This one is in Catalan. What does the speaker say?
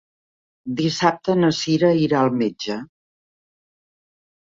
Dissabte na Cira irà al metge.